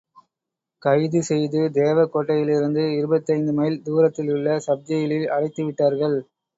கைது செய்து தேவகோட்டையிலிருந்து இருபத்தைந்து மைல் தூரத்திலுள்ள சப் ஜெயிலில் அடைத்துவிட்டார்கள்.